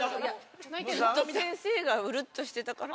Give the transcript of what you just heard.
ずっと先生がうるっとしてたから。